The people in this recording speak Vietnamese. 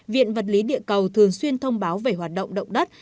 viện vật lý địa cầu thường xuyên thông báo về hoạt động động đất